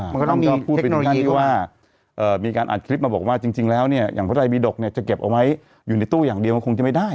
มันก็ต้องพูดไปถึงขั้นที่ว่ามีการอัดคลิปมาบอกว่าจริงแล้วเนี่ยอย่างพระไทยบีดกเนี่ยจะเก็บเอาไว้อยู่ในตู้อย่างเดียวมันคงจะไม่ได้